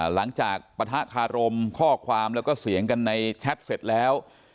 ปะทะคารมข้อความแล้วก็เสียงกันในแชทเสร็จแล้ว